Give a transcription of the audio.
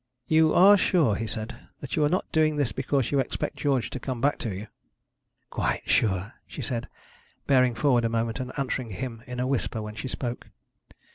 'You are sure,' he said, 'that you are not doing this because you expect George to come back to you?' 'Quite sure,' she said, bearing forward a moment, and answering him in a whisper when she spoke.